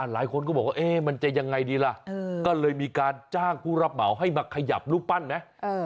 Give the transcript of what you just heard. หลายคนก็บอกว่ามันจะยังไงดีล่ะก็เลยมีการจ้างผู้รับเหมาให้มาขยับรูปปั้นไหม